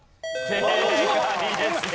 正解です。